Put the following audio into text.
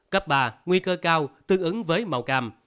cấp ba nguy cơ cao tương ứng với màu cam